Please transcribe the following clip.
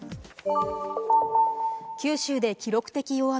九州で記録的大雨。